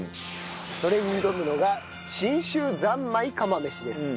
それに挑むのが信州三昧釜飯です。